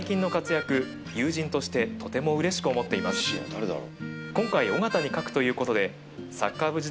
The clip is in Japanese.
誰だろう。